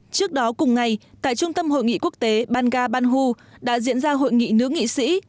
trước đó cùng ngày tại trung tâm hội nghị quốc tế ban ga banhu đã diễn ra hội nghị nữ nghị sĩ